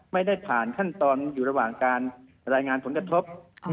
ไม่ได้ผ่านขั้นตอนอยู่ระหว่างการรายงานผลกระทบ